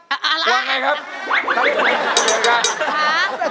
อ่าอะไรครับครับครับครับครับ